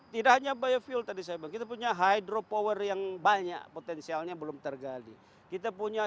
tidak hanya biofuel tadi saya punya hydropower yang banyak potensialnya belum tergali kita punya